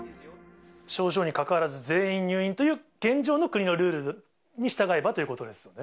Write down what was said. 症状にかかわらず、全員入院という現状の国のルールに従えばということですよね。